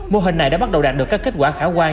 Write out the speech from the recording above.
mô hình này đã bắt đầu đạt được các kết quả khả quan